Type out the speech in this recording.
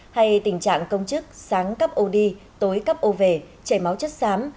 hay tình trạng công chức sáng cấp ô đi tối cắp ô về chảy máu chất xám